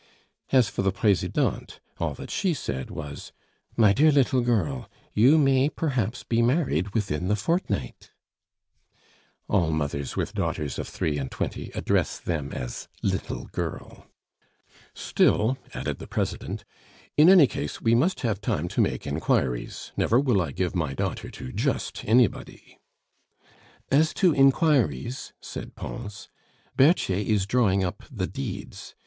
As for the Presidente, all that she said was, "My dear little girl, you may perhaps be married within the fortnight." All mothers with daughters of three and twenty address them as "little girl." "Still," added the President, "in any case, we must have time to make inquiries; never will I give my daughter to just anybody " "As to inquiries," said Pons, "Berthier is drawing up the deeds.